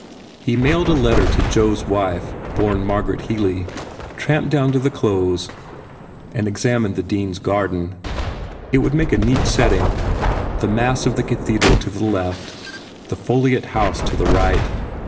He mailed a letter to Joe s wife, born Margaret Healy, tramped down to the Close and examined the Dean s garden. It would make a neat setting, the mass of the Cathedral to the left, the foliate house to the right.